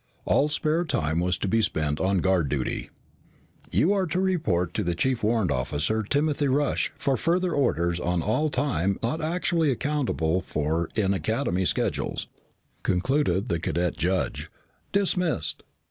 All spare time was to be spent on guard duty. "You are to report to Chief Warrant Officer Timothy Rush for further orders on all time not actually accountable for in Academy schedules," concluded the cadet judge. "Dismissed."